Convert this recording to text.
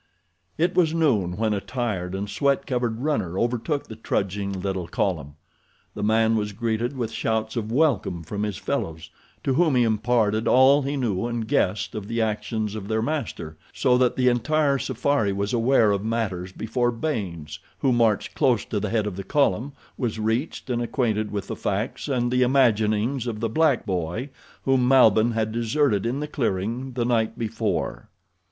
It was noon when a tired and sweat covered runner overtook the trudging little column. The man was greeted with shouts of welcome from his fellows, to whom he imparted all that he knew and guessed of the actions of their master, so that the entire safari was aware of matters before Baynes, who marched close to the head of the column, was reached and acquainted with the facts and the imaginings of the black boy whom Malbihn had deserted in the clearing the night before.